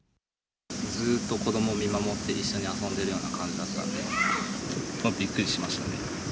ずっと子どもを見守って、一緒に遊んでいるような感じだったんで、びっくりしましたね。